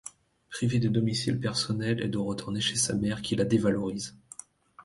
Privée de domicile personnel elle doit retourner chez sa mère qui la dévalorise.